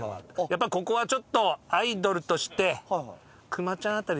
やっぱここはちょっとアイドルとして。